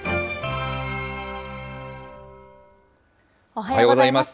おはようございます。